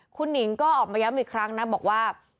คุณหนิงก็ออกมาย้ำอีกครั้งนะบอกว่า